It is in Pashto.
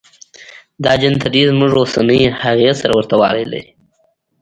دا جنتري زموږ اوسنۍ هغې سره ورته والی لري.